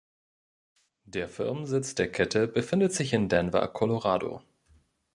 Der Firmensitz der Kette befindet sich in Denver, Colorado.